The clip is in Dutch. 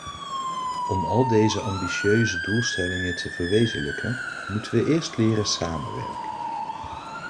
Om al deze ambitieuze doelstellingen te verwezenlijken moeten we eerst leren samenwerken.